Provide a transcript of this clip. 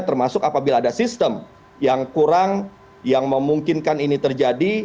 termasuk apabila ada sistem yang kurang yang memungkinkan ini terjadi